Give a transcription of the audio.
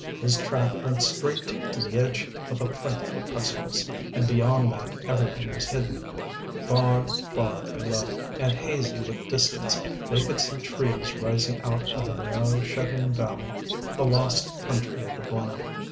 His track went straight to the edge of a frightful precipice, and beyond that everything was hidden. Far, far below, and hazy with distance, they could see trees rising out of a narrow, shut in valley—the lost Country of the Blind.